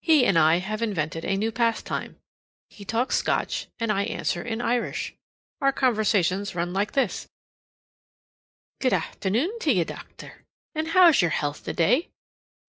He and I have invented a new pastime: he talks Scotch, and I answer in Irish. Our conversations run like this: "Good afthernoon to ye, docther. An' how's yer health the day?"